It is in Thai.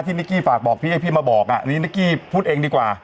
ที่นิกกี้ฝากให้พี่มาบอกนี่นิกกี้พูดเองดีกว่า